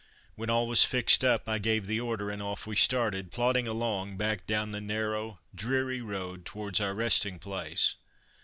When all was fixed up I gave the order and off we started, plodding along back down the narrow, dreary road towards our resting place.